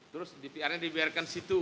terus dpr nya dibiarkan situ